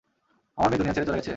আমার মেয়ে দুনিয়া ছেড়ে চলে গেছে?